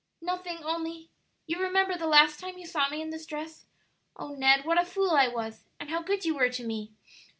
"Nothing, only you remember the last time you saw me in this dress? Oh, Ned, what a fool I was! and how good you were to me!"